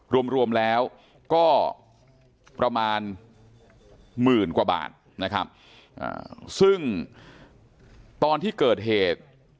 รวมรวมแล้วก็ประมาณหมื่นกว่าบาทนะครับซึ่งตอนที่เกิดเหตุ